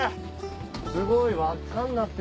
すごい。